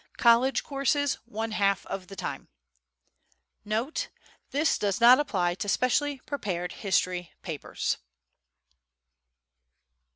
College Courses, one half of the time. Note. This does not apply to specially prepared history papers.